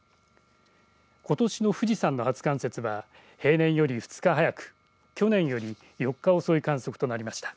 ことしの富士山の初冠雪は平年より２日早く去年より４日遅い観測となりました。